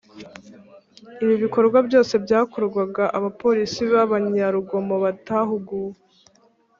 Ibi bikorwa byose byakorwaga abapolisi b’abanyarugomo batahuguwe